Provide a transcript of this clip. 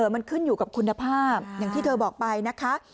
มันขึ้นอยู่กับคุณภาพอย่างที่เธอบอกไปนะคะ